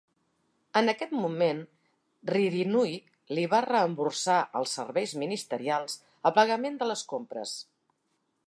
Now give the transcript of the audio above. En aquest moment, Ririnui li va reemborsar als Serveis Ministerials el pagament de les compres.